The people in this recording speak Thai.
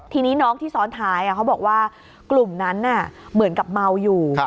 ทีนี้น้องที่ซ้อนท้ายเขาบอกว่ากลุ่มนั้นเหมือนกับเมาอยู่